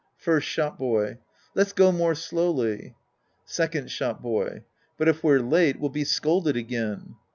First Shop boy. Let's go more slowly. Second Shop boy. But if we're late, we'll be scolded again.